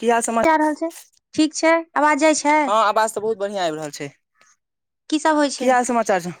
की हाल समा काए रहल छै, ठीक छै, अवाज जाय छै। हां अवाज तऽ बहुत बढ़ियां आएब रहल छै। सब होइ की छै हाल-समाचार छौ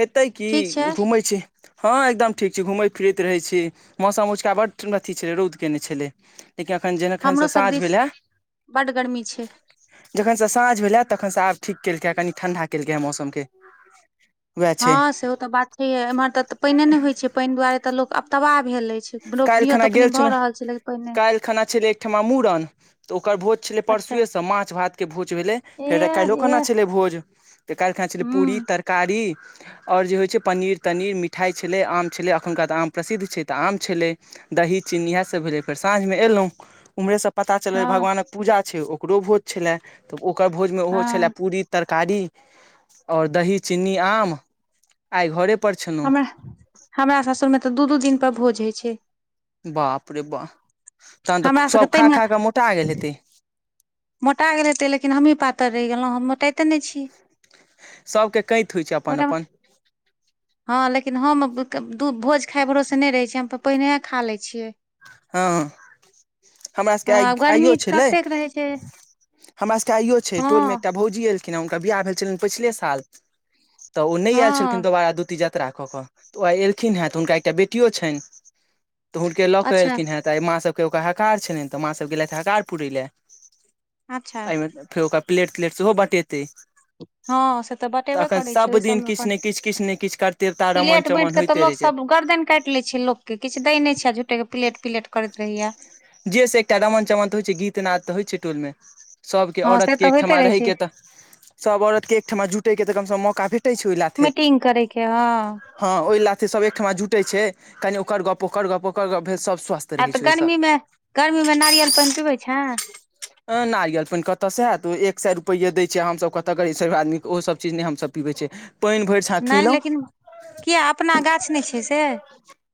हेतै कि ठीक छै घुमै छी। हां एकदम ठीक छी, घुमैत-फिरैत रहै छी। मौसम ओजका बड अथी छै, रौद केयने छेलै। तैं कि अखन जेन अखन हमरो से सब सांझ दिस भेल अय बड गर्मी छै जखन से साँझ भेलै तखन से आब ठीक केलकै कनि ठण्ढा केलकै मौसम के। हां सेहो तऽ बात छैहिये, इम्हर तऽ तऽ पेएने नै होय छै, पेएन दुआरे तऽ लोक आब तबाह भेल अय। काएल खना गेल छलौ, नहि काएल खना छेलै एकठमा मुड़न। तऽ ओकर भोज छलै अच्छा परसुए से माछ-भात के भोज भेलै, फेर एह काएलो खुना एह छलै भोज। ते काएल खना छलै पूरी हूँ तर कारी और जे होय छै पनीर-तनीर, मिठाय छलै, आम छलै अखुनका तऽ आम प्रसिद्ध छै तऽ आम छलै दही, चीनी इहाए सब भेलै फेर साँझ मे एलौ उम्हरेसँ पता चललै हँ भगवानक पूजा छै ओकरो भोज छैलाए तऽ ओकर भोजमे उहो हँ छैलाए पूरी तरकारी और दही, चीनी, आम। आय घरे पर छ हमरा, हमरा सासुरमे तऽ दू-दू दिन पर भोज हय छै। बाप रे बा तहन तऽ हमरा सबके सब ताहिमे खा-खा के मोटा गेल हेतै। मोटा गेल हेतै, लेकिन हमही पातैर रैह गेलौ, हम मोटाएते नै छी। सबके कैत होय छै अपन-अपन। हां लेकिन हम [unintelligible] दू भोज खाय भरोसे नै रहै छी, हम तऽ पहनिये खा लै छियै। हां हमरा सबके आय हँ गर्मी आयो छलै। ततेक रहै छै हमरा सबके आयो छै, टोल मे एकटा हँ भौजी एल खिन, हुनकर बियाह भेल छलैन पैछले साल तऽ ओ नै आएल छलखिन हँ दोबारा दूती जा त्रा कऽ कऽ त ओ आय एलखिन हे तऽ हुनका एकटा बेटियो छैन तऽ हुनके ल अच्छा हें ते आय माँ सबके ओकरा हकार छलैन तऽ माँ सब गेलैथ हकार पुरेलै, अच्छा ए मे फेर ओकरा प्लेट-तलेट सेहो बटेतै। हँ से तऽ बटेबे अखन करै छै सब ओहि दिन सबमे किछ अपन नै किछ, किछ नै किछ करतेव ता प्लेट बाँटि रमण-चमन कऽ तऽ होएते लोक रहै छै। सब गर्दन काएट ले छै लोक के, किछ दै नै छाए झूठे के प्लेट-प्लेट करैत रहैया। जे से एकटा रमन-चमन तऽ होय छै, गीत-नाद तऽ होय छै टोल मे। सबके हँ औरत से के तऽ होइते एकठमा रहै छै के तऽ सब औरत के एकठमा जुटै के तऽ कम से कम मौका भेटै छै ओय लाथे। मीटिंग करे के हँ हां ओय लाथे सब एकठमा जुटे छै, कनि ओकर गप, ओकर गप, ओकर गप भेल सब स्वस्थ आ रहै तऽ छै ओहिसँ गर्मी मे, गर्मी मे नारियल पेएन पिबै छाए। [inaudible] अएं नारियल पेएन कतऽ सँ आएत उ एक सए रुपैया दै छै, हम सब कतऽ गरीब-सरीब आदमी के ओसब चीज नै हम सब पीबै छिये। पेएन भैर नै लेकिन कियाए अपना गाछ नै छै से।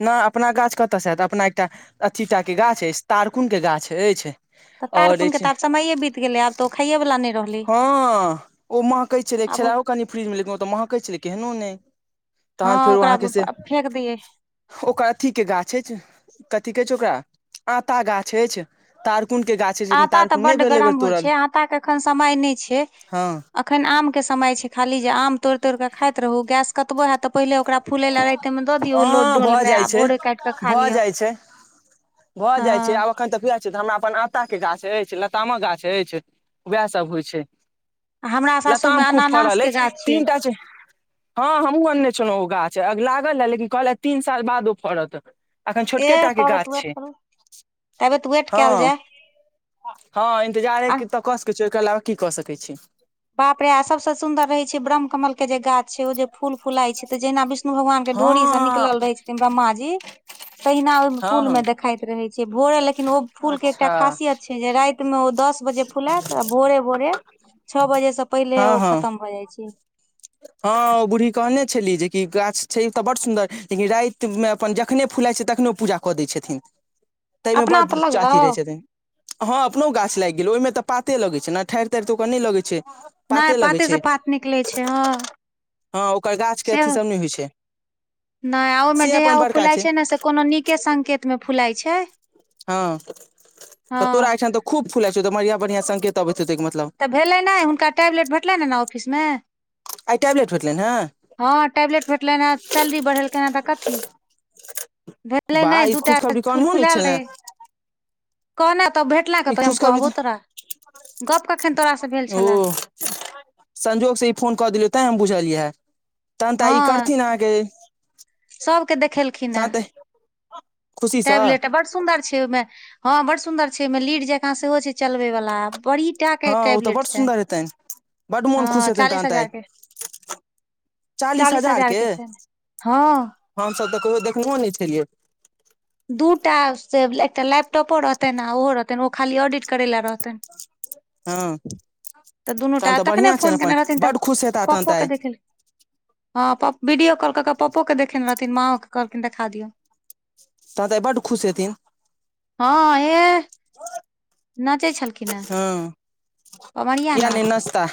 न अपना गाछ कतऽ स हैत, अपना एकटा अथीटा के गाछ अइछ, तारकुन के गाछ अइछ। तऽ तारकुन के तऽ आब समयए बीत गेलै, आब तऽ ओ खाइए वला नै रहलै। हँ ओ महकै छेलै एक आब छेलाओ कनि फ्रिज में, लेकिन ओ तऽ महकै छेलै केहनो नै। हँ ओकरा ब आब फेक दियए। ओकर अथी के गाछ अइछ, कथी कहै छै ओकरा आँता गाछ अइछ, तारकुन के गाछ अछि लेकिन आँता तऽ तारकुन नहि बड्ड भेल एहि बेर गरम होइ छै, तोड़ल आँता के एखन समय नै छै हँ अ। खैन आम के समय छै खाली, जे आम तोइड़-तोइड़ कऽ खाइत रहू गैस कतबो हैत तऽ पहिले ओकरा फूलै लै राइते में दऽ दियौ ओ लोड हँ डोल भऽ में, जाइ आ छै भोरे काइट कऽ खा भऽ लिअ। जाइ छै भऽ जाइ छै हँ आब एखन तक उएह छै तऽ हमरा अपन आँता के गाछ अइछ, लतामक गाछ अइछ, उएहसभ होइ छै। हमरा सासुर मे लताम खूब अनानास फड़ल के अइछ गाछ तीनटा छै। हँ हमहूँ अनने छलहुँ ओ गाछ, लागल ए लेकिन कहलक तीन साल बाद ओ फड़त। अखन ए छोटके टाके ताबत गाछ वेट छै करू ताबत वेट कयल हँ। जाय हँ इन्तजारे आ के तऽ कऽ सकै छी, ओय के अलावा की कऽ सकै छी। बाप रे आ सभसँ सुन्दर रहै छै ब्रह्म कमल के जे गाछ छै, ओ जे फूल फूलाइ छै तऽ जहिना विष विष्णु भगवान के डोरी स हँ निकलल रहै छथिन ब्रह्म जी, तहिना ओ हँ फूल में हँ देखाइत रहै। छै, भोरे लेकिन ओ फूल के एकटा अच्छा खासियत छै जे राइत में ओ दस बजे फुलैत आ भोरे-भोरे छऽ बजे स पहिले हँ ओ हँ खतम भऽ जाइ छै। हँ ओ बूढ़ी कहने छेली, जेकी गाछ छै तऽ बड सुंदर लेकिन राइत में अपन जखने फुलाय छै तखने ओ पूजा कऽ दै छथिन, तय में अपना बड तऽ लगलौ चाची रहै छथिन। हँ अपनो गाछ लाइग गेल, ओय में तऽ पाते लगै छै न ठाइर-ताइर तऽ ओकर नै लगै छै। नै लगै पाते से छै पात निकलै छै हँ। हँ ओकर गाछ के अथी सेहो सब नहि होइ छै नै ओ में से जहिया अपन ओ बड़का फुलाय छै ने से कोनो नीके संकेत में फुलाइ छै। हँ हँ तऽ तोरा अयठान तऽ खूब फुलाइ छौ, तऽ बढ़ियां-बढ़ियां संकेत अबैत हेतौ ओय के मतलब। तऽ भेलै नै हुनका टैबलेट भेटलैने न ऑफिस में। आइ टैबलेट भेटलैन हैं। हँ टैबलेट भेटलैन हैं, सैलरी बढ़ेलकैन हैं तऽ कथी, भ टलै नै वाह ई दूटा खुशखबरी कहनहो नहि फुल-फुलैल छले रहै। कहनै तब भेटला ई कऽ तऽ हम खुशखबरी कहबौ तोरा, गप्प कऽ ओ संजोगसँ ई फोन कऽ देलियै तैं हम बुझलिय है। तहन तऽ आइ ई हँ करथिन अहाँके, सबके देखेलखिन तहन हेँ तऽ खुशीसँ टैबलेट तऽ बड सु सुंदर छै, ओय में हँ बड़ सुंदर छै, ओय में लीड जकाँ सेहो छै चलबै वला बड़ी टा के हँ ओ तऽ टैबलेट बड्ड छैन। सुन्दर हेतनि बड्ड मोन हँ खुश हेतनि चालीस तहन तऽ आइ हजार के। चालीस हजार के छैन, हँऽ। हम- सब तऽ कहियो देखनेहो नै छेलियै। दू टा से एकटा लैपटॉपो रहतैन, आ ओहो रहतैन ओ खाली ऑडिट करै लै रहतैन। हँ। तऽ दुनूटा तहन तखने बढ़िआँ छनि फोन केने अपन रहथिन तऽ बड्ड खुश हेताह तहन पप्पो तऽ के आइ देखे हँ प वीडियो कॉल कऽ कऽ पप्पो के देखेने रहथिन, माँओ के कहलखिन देखा दियौन। तहन तऽ आय बड खुश हेथिन। हँ एह नचै छल हँ क्या नै नाच नचता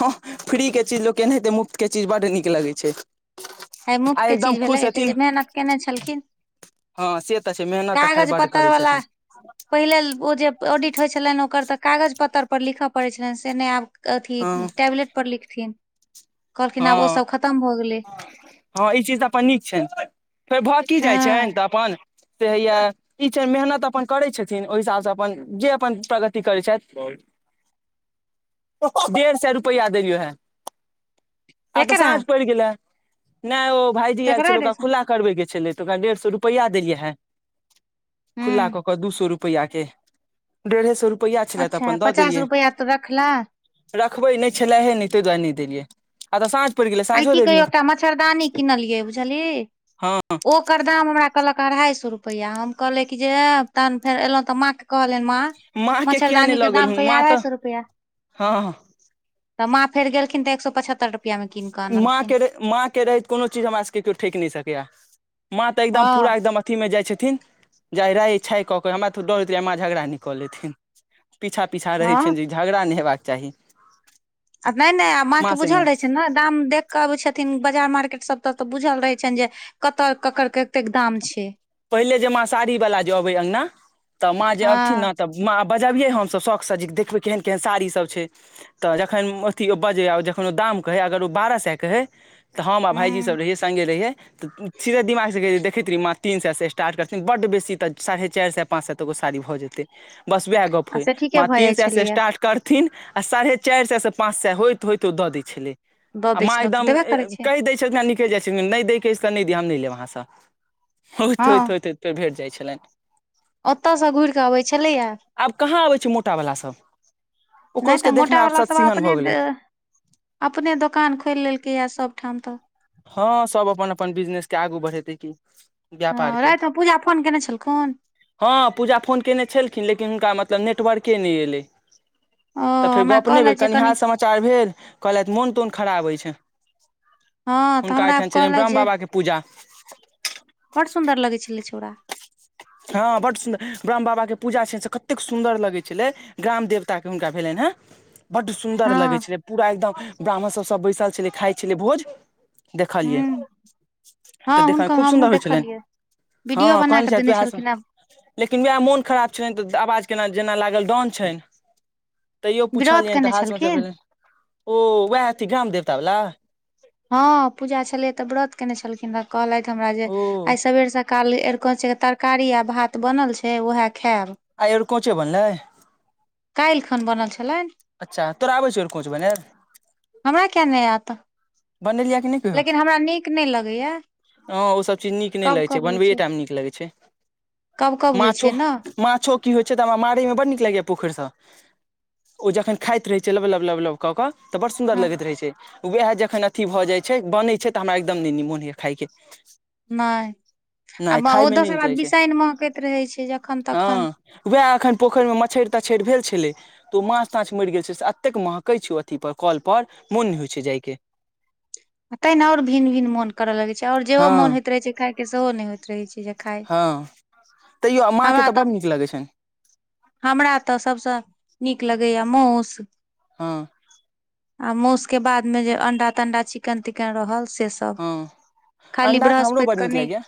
हँ फ्रीक के चीज लोक एहनाते मुफ्त के चीज बड्ड नीक लगै छै आइ मुफ्त के एकदम चीज भेले खुश एते हेथिन जे मेहनत केने छलखिन हँ से त छै मेहनत त खाइ बड करै छथिन पहिल ओ जे ऑडिट होइ छलनि ओकर त कागज पत्तर पर लिख पड़ैत छलनि से नै आब अथी हँ टेबलेट पर लिखथिन कहलखिन आब हँ ओ सब खतम भ गेलै हँ ई चीज त अपन नीक छनि फेर भ की जाइन छैन हँ त अपन से हया ई छै मेहनत अपन करै छथिन ओहि हिसाबसँ अपन जे अपन प्रगति करै छैथ डेढ़ सए रुपैया देलियौ है आब त केकरा साँझ पड़ि गेले नै ओ भाईजी आयल केकरा छल रे ओकरा से खुला करबे के छल त ओकरा डेढ़ सए रुपैया देलियै हे खु्ला हूँ क क दू सौ रुपैया के डेढ़े सए रुपैया छलै त अच्छा अपन द पचास देलियै रुपैआ तो रखला रखबे नै छलहे नै तै दुआरे नै देलियै आब त साँझ पैर गेलै आय साँझो की कहियौ देबही एकटा मच्छरदानी कनलियै बुझलिै हँ ओ ओकर दाम हमरा कहलक अढ़ाइ सए रुपैआ हम कहलै कि जे तहन फेर एलहुँ त माँ कहलनि माँ माँ के किया नहि मच्छरदानी लऽ के दाम गेलहुँ कह माँ अढ़ाई तऽ सौ रुपया हँ त माँ फेरखिन त एक सौ पचहत्तर रुपया मे कीन कऽ माँ अनलखिन के रह माँ के रहैत कोनो चीज हमरा सभ के कोई ठेेेक नै सकैए माँ त एकदम पूरा हँ एकदम अथी में जाइ छथिन जा राइ छााय क के हमरा तो डर होेते आमा झगड़ा न क लेथिन पीछा पीछा रहै हँ छैनि जे झगड़ा नै हेबाक चाही आ नै नै आब अ माँ के बुझल सङ्गे रहे छै ने दाम देख के अबै छथिन बाजार मार्केट सब त त बुझल रहै छनि जे कतऽ ककर कतेक दाम छै पहिले जे माँ साड़ी वला ज अबै अगना त माँ जे अबथिन ने हँ त माँ बजबियै हम सभ शौकसँ जे देखबै केहन केहन साड़ी सभ छै त जखन अथी ओ बजैए जखन ओ दाम कहे अगर उ बारह सै केहै त हम आ भायईजी सब हूँ रहहिय संगे रहियए त सीधे दिमाग देखैत रही माँ तीन सै से स्टार्ट करथिन बड बेसी त साढ़े चार सै पाँच सै तक ओ सारी भ जे तै बस उहै गप आ होय से ठीके माँ भऽ तीन जाइ सै से छलैया स्टार्ट कर थिन आ साढ़े चारि सै से पाँच सै होइत होइत उ द दै छलै दऽ आ दै माँ छलहुँ तऽ एकदम देबे करै छै कहि दै निकलि जाय छेलखिन नै दे के अइछ नै दिए हम नै लेब आहा से होइत होइत होइत फेर भेट जाइत छैलाइन ओत सँ घुर के अबै छलै या आब कहाँ अबै छै मोटावला सब नै ओकरो त सबके देखना आब मोटावला सब सतसिहन अपने भऽ गेलै अपने दोकान खोलि लेल कै या सब ठाम त हँ सब अपन अपन बिजनेस के आगू बढ़ेतै की व्यापार हँ के राति मे पूजा फोन कयने छलखुन हँ पूजा फोन कयने छलखिन लेकिन हुनका मतलब नेटवर्के नै एलै ओ त फेर हमरा गप नै कहलथि भेल जे कनि हाल समाचार भेल कहलथि मोन तोन खराब छै हँ तऽ हुनका हमरा एहिहिठाम छलनि कहलथि ब्राहम जे बाबा के पूजा बड सुन्दर लगै छलै छौड़ा हँ बड सुन्दर ब्रह्म बाबा के पूजा छै से कतेक सुन्दर लगै छलै ग्राम देवताके हुनका भेलनि हेँ। बड् सुन्दर हँ लगै छलै पूरा एकदम ब्राह्मण सब सब बैसल छलै खाइ छलै भोज। देखलियै। हूँ हँ तऽ देखयमे हुनकर खूब हमहुँ सुन्दर होइ छलनि देखलियै हँ वीडियो बना कहल कऽ छैथ देने उएहसँ छलखिन हेँ लेकिन उएह मोन खराब छनि तऽ आवाज केना जेना लागल डाउन छनि। तैयो व्रत पूछलियनि तऽ केने हाथ मे जे छलखिन भेलैन ओ वएह हेती गाम देवता वला। हँ, पूजा छलै तऽ व्रत केने छलखिन, कहलथि हमरा जे ओ आइ सबेरसँ काल्हि ऐरकन्च तरकारी आ भात बनल छै उएह। खायब आई ऐरकोंचो बनलैय। काल्हि खन बनल छलनि। अच्छा, तोरा आबैय छौ ऐरकोच बनलैय। हमरा कियै नहि आयत। बनेलियै कि नहि। लेकिन हमरा नीक नहि लगैया हँ ओ सब चीज नीक नहि कब लगै कब छै होइ बनबैए टामे नीक लगै छै। कब कब होइ माछो छै ने। माछो की होइ छै तऽ हमरा मारय मे बड नीक लगैया पोखरिसँ ओ जखन खाइत रहै छै लबलब लबलब कऽ बड़ सुन्दर हँ लगैत रहै छै उएह जखन अथी भऽ जाइत छै बनै छै तऽ हमरा एकदम नहि मोन होइए खायके। नहि नहि आ ओ खायमे नहि दोसर नीक बात लगै छै बिसाइन महकैत रहै छै जखन तखन। उएह एखन पोखरिमे मछहरि यछं तचछड़ भेल छलै। तऽ ओ माछ ताछ मरि गेल छै से एतेक महकै छै ओ अथी पर कल पर मोन नहि होइ छै जायके। ते ने और भिन भिन मोन करय लगैत छै औ जेहो हँ मोन होइत रहै छै खायके सेहो नहि होइत रहैत छै। खाय हँ तैयो माँके तऽ बड़ नीक लगैत छनि। हमरा तऽ सभसँ नीक लगैए मौस। हँ। आ मौस के बाद मे जे अंडा तंडा चिकन तिकन रहल से सब। त हँ खाली अंडा तऽ हमरो बृहस्पति बड के नीक नहि। लगैया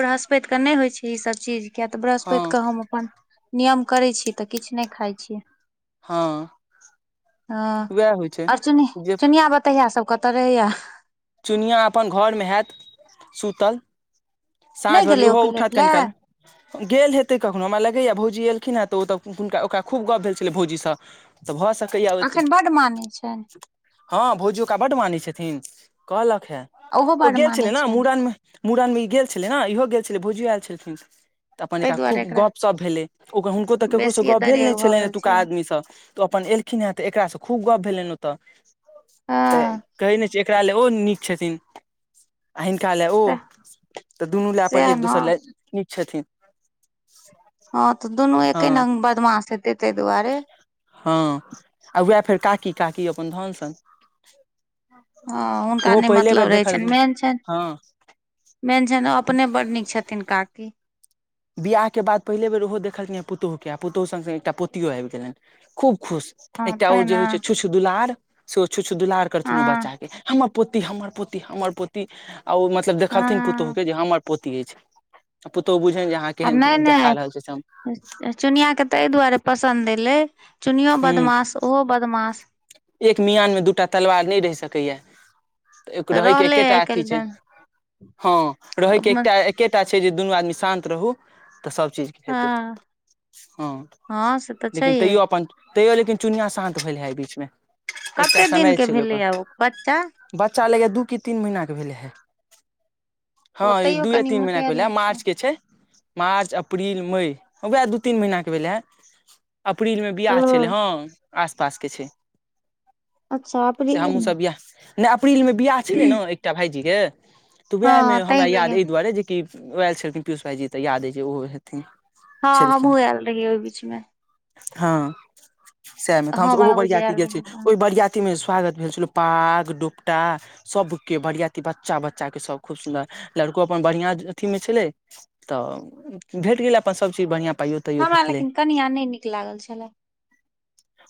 बृहस्पतिके नहि होइ छै इसभ चीज किएक तऽ हँ बृहस्पतिके हम अपन नियम करै छी तऽ किछु नहि खाइ छियै। हँ। हं उएह होइ छै और चुनि जे चुनिया बतहिया सब कत रहैये। चुनिया अपन घरमे हैत सुतल साँझ नहि भर गेलै ओ ओहो पिलेट उठत कनी लए काल मे। गेल हेतै कखनो हमरा लगैए भौजी एलखिन हेँ तऽ ओ तऽ हुनका ओकरा खूब गप भेल छलै भौजीसँ। त भऽ सकैये ओतै। अखन बड्ड मानै छनि हँ भौजी ओकरा बड मानै छथिन कहलक हे, ओहो ओ बड्ड गेल छलै मानै ने छनि मूड़न मे। मुड़नमे ई गेल छलै ने इहो गेल छलै भोजियो आयल छलखिन। तऽ अपन ताहि एकरा दुआरे खूब गपशप भेलै ओ हुनको तऽ ककरोसँ बेसिए गप भेल दरेग नहि भऽ छलनि गेल एतुका छै आदमीसँ। त अपन एलखिन हे तऽ एकरा से खूब गप भेलैन ओतऽ त हँ कहे नहि छै एकरा ले ओ नीक छथिन हिनका ले ओ तऽ दुनू ले अपन सएह एक ने दोसर ले। निक छथिन। हँ तऽ दुनू हँ एके रंग बदमाश हेतै ताहि दुआरे। हँ आ उएह फेर काकी, काकी अपन धन सन। हँ हुनका ओहो नहि पहिले बेर मतलब रहै छनि देखलखिन मेन छनि। हँ मेन छैन अपने बड़ नीक छथिन काकी। बियाह के बाद पहिले बेर ओहो देखलखिने पुतहुू के आ पुतहु सग एकटा पोतियों आबि गेलनि खूब खुश। हँ एकटा ओ तैं जे ने होय छै छुछ दलार से ओ छुछ दुलार करथिन ओ बच्चा हँ के हमा पोती हमर पोती हमर पोती आ ओ मतलब देखलखिन पुतौह हँ कै जे हमर पोति ऐछ, पुतौह बुझैन यै आ नै-नै ए ए चुनिया के तै ए दुआरे पसन्द एलै चुनियो हूँ बदमास उहो बदमाश। एक मियान मे दूटा तलवार नै रह सके यै। एक तऽ रहै के रहलै एकेटा आइ अथी छै काल्हि हां रहै के मे एकटा एकेटा छै जे दुनू आदमी शान्त रहु त सब चीज हेतै हँ हां हँ से तऽ लेकिन छैहे तैयो अपन तैयो लेकिन चुनिया शान्त भेले हय ए बीचमे। एकटा कते दिन समय के छलै भेलै ओकर यै ओ बच्चा? बच्चा लगै यै दू की तीन महिना के भेलै हे। ओ हां ई तैयो दूए कनि तीन महिना के मोटेल भेलै हें, नहि मार्च के छै। मार्च, अप्रील, मै वैह दूई-तीन महिना के भेलै हें। अप्रीलमे ओ बियाह छलै हां आस-पास के छै। अच्छा। से अप्रीले हम्हुं मे सब बियाह नै अप्रीलमे बियाह छेलै न एकटा भायजीे के तऽ हँ वैह मे हँ हमरा तहि बेर याद ए दुआरे जे कि ओ ऐल छलखिन पियूषा भाईजी जी तऽ याद ए जे उहो हे हां हम्हुँ ऐल रहियै ओय बीच मे। हां सैह मे तऽ हम हँ सब ओहो बाबूजी बरया आयल रहियै तहन बरयाती मे जे स्वागत भेल छलौ पाग, डोपटा सबके बरियाती बच्चा-बच्चा के सब खूब सुन्दर लड़को अपन बढ़िया अथी मे छलै तऽ भेट गेलै अपन सब चीज बढ़िया पाइयो ताइयो हमरा भेटलै लेकिन कनिया नै नीक लागल छलै।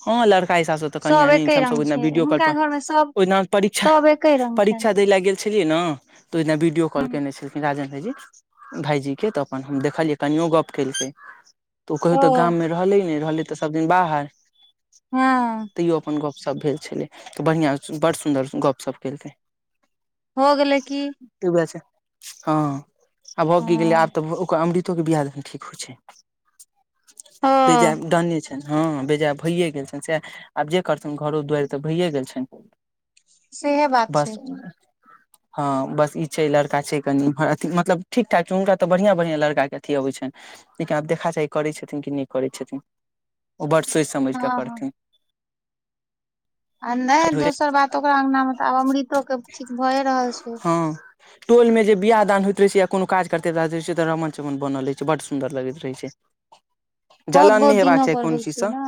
हां लड़का हिसाब से त कनिया सब नै निक छै एके हम सब रंग ओय दिना वीडियो कॉल हुनका पर घर मे सब ओहिना परीक्षा सब एके रंग छनि परीक्षा दै लय गेल छलियै न तऽ ओय दिना वीडियो कॉल केने छलखिन राजन भाईजी। भायजी के तऽ अपन हम देखलियै कनियो गप केलकै तऽ ओ कहियो तऽ गाममे रहलै नै, रहलै तऽ सब दिन बाहर हँ तईयौ अपन गप-शप भेल छलै तऽ बढ़िया सु बड सुन्दर गप-शप केलकै। होअ गेलय की। कि बुझाय छै हां आ भऽ ह की गेलै आब तऽ ब ओकर अमृतोके बियाह दान ठीक होय छै, बेजाय डने छैन, हां बेजाय भइए गेल छेन सैह आब जे करथून घरो-दुऐर तऽ भइए गेल छैन, सेहे बात छै बस उम्म हां बस ई छै जे लड़का छै कनि इम्हर अथि मतलब ठीक-ठाक छै, हुनका तऽ बढ़िया-बढ़िया लड़का के अथि अबै छैन। लेकिन आब देखना चाही करै छथिन कि नै करै छथिन ओ बड सोच समझ हँ कै हँ करथिन। आ नै दोसर बात ओकरा अंगना मे तै आब अमृतो के ठीक भ ए रहल छै। हँ टोल मे जे बियाह दान होइत रहे छै या कोनो काज करते रहे छै तऽ रमण-चमन बनल रहै छै, बड सुन्दर लगैत रहै छै। बहुत जलन बहुत नै दिनो हेबाक चाही पर होइ कोनो चीज छै से। ने